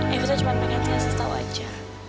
epita cuma pengen tiasa tau aja